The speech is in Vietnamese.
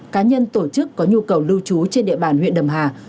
cá nhân tổ chức có nhu cầu lưu trú trên địa bàn huyện đầm hà